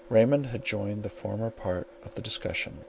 Raymond had joined in the former part of the discussion.